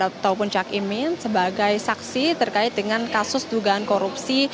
ataupun cak imin sebagai saksi terkait dengan kasus dugaan korupsi